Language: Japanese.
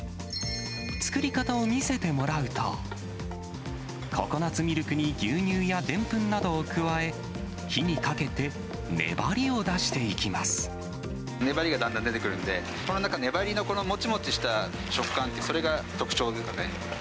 作り方を見せてもらうと、ココナツミルクに牛乳やでんぷんなどを加え、粘りがだんだん出てくるんで、このなんか、粘りのこのもちもちした食感って、それが特徴ですね。